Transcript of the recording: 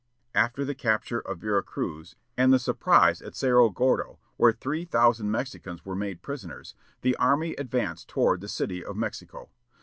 After the capture of Vera Cruz and the surprise at Cerro Gordo, where three thousand Mexicans were made prisoners, the army advanced toward the City of Mexico.